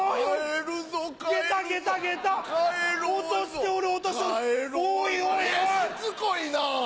しつこいな！